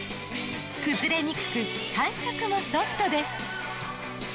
崩れにくく感触もソフトです。